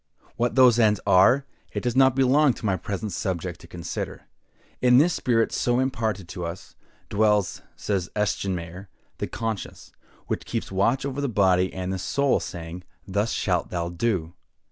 What those ends are, it does not belong to my present subject to consider. In this spirit so imparted to us, dwells, says Eschenmayer, the conscience, which keeps watch over the body and the soul, saying, "Thus shalt thou do!"